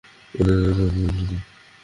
উনার এই সম্মানটা প্রাপ্য।